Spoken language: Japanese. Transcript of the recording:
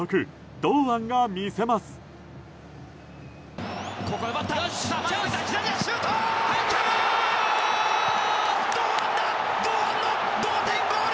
堂安の同点ゴール！